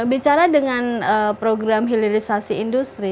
bicara dengan program hilirisasi industri